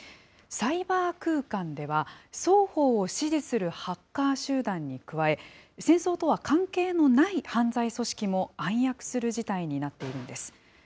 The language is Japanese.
サイバー空間では、双方を支持するハッカー集団に加え、戦争とは関係のない犯罪組織も暗躍する事態になっているんです。